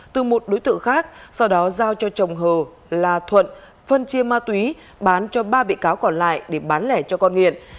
từ một đối tượng khác sau đó giao cho chồng hờ là thuận phân chia ma túy bán cho ba bị cáo còn lại để bán lẻ cho con nghiện